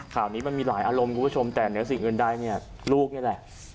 ข่าวนี้มันมีหลายอารมณ์คุณผู้ชมแต่เหนือสิ่งอื่นใดเนี่ยลูกนี่แหละ